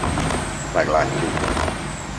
Meglátjuk.